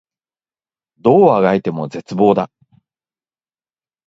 どう足掻いても絶望だ